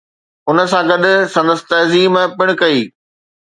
ان سان گڏ سندس تعظيم پڻ ڪئي